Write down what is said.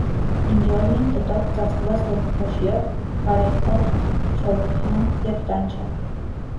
«Ինջոլմի», տտոկ, ծածկված լոբու փոշիով, «կարետտոկ», «չոլպհյոն» և տանչա։